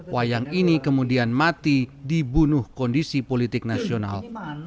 wayang ini kemudian mati dibunuh kondisi politik nasional